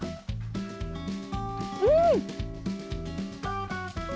うん！